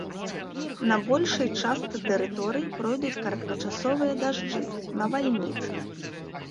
На большай частцы тэрыторыі пройдуць кароткачасовыя дажджы, навальніцы.